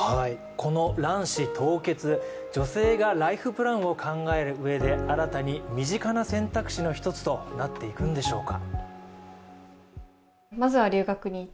この卵子凍結女性がライフプランを考えるうえで新たに身近な選択肢の一つとなっていくんでしょうか。